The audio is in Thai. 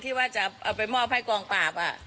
ว่าจะเอาไปมอบให้กองปราบ